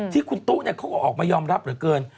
ที่คุณตู้มันออกไว้ย้อมรับเหลือเกิน